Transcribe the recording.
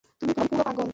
তুমি পুরো পাগল!